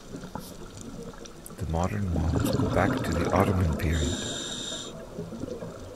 The modern walls go back to the Ottoman period.